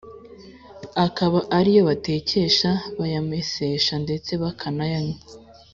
akaba ari yo batekesha, bayamesesha ndetse bakanayanywa